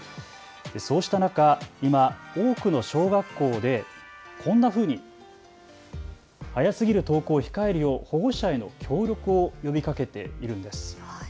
そうした中、今、多くの小学校でこんなふうに早すぎる登校を控えるよう保護者への協力を呼びかけているんです。